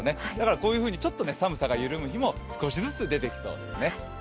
こういうふうにちょっと寒さが緩む日も少しずつ出てきそうですね。